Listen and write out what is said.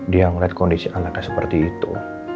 dia melihat kondisi anaknya seperti itu